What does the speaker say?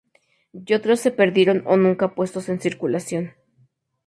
Y otros se perdieron o nunca puestos en circulación.